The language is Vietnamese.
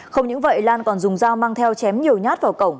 không những vậy lan còn dùng dao mang theo chém nhiều nhát vào cổng